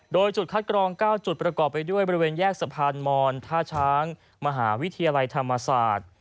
โดยจุดคัดกรอง๙จุดประกอบไปด้วยบริเวณแยกสะพานมอนท่าช้างมหาวิทยาลัยธรรมศาสตร์